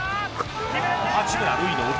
八村塁の弟